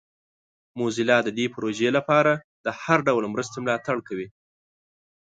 موزیلا د دې پروژې لپاره د هر ډول مرستې ملاتړ کوي.